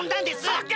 そっか！